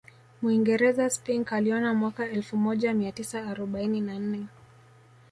Mwingereza Spink aliona mwaka elfu moja mia tisa arobaini na nne